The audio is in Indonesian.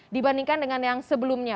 dibandingkan dengan yang sebelumnya